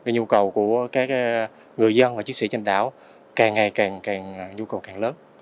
nhu cầu của các người dân và chiến sĩ trên đảo càng ngày càng nhu cầu càng lớn